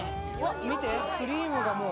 見てクリームが。